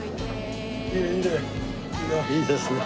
いいですね。